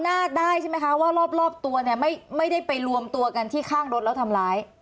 นาคได้ใช่ไหมคะว่ารอบตัวเนี่ยไม่ได้ไปรวมตัวกันที่ข้างรถแล้วทำร้าย